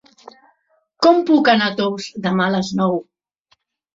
Com puc anar a Tous demà a les nou?